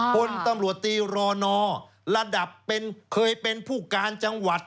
คนตำรวจตีรอนอระดับเคยเป็นผู้การจังหวัด